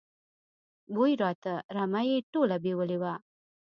بوی راته، رمه یې ټوله بېولې وه.